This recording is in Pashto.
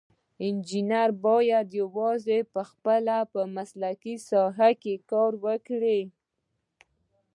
انجینر باید یوازې په خپله مسلکي ساحه کې کار وکړي.